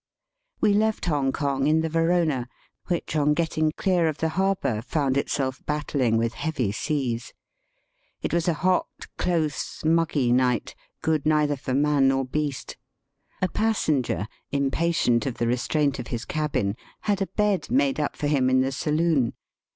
We left Hongkong in the Veronay. which, on getting clear of the harbour, foimd itself battling with heavy seas. It was a hot. Digitized by VjOOQIC IN THE TROPICS. 123 close, ^^ muggy," night, good neither for man nor heast. A passenger, impatient of the restraint of his cabin, had a bed made up for him in the saloon.